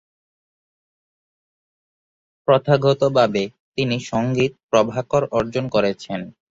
প্রথাগত ভাবে তিনি 'সঙ্গীত প্রভাকর' অর্জন করেছেন।